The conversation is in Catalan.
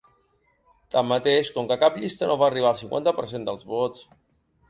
Tanmateix, com que cap llista no va arribar al cinquanta per cent dels vots.